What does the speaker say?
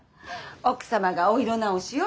奥様がお色直しを？